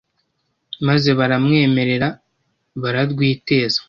maze baramwemerera ararwiteza